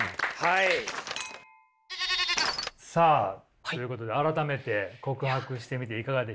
さあということで改めて告白してみていかがでした？